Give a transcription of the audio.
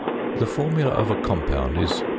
The formula of a compound is 2FeO.